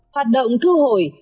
hoạt động thu hồi